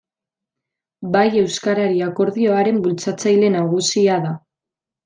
Bai Euskarari Akordioaren bultzatzaile nagusia da.